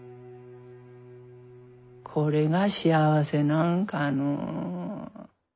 これが幸せなんかのう。